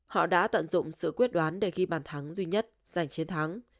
họ đã tận dụng sự quyết đoán để ghi bàn thắng duy nhất giành chiến thắng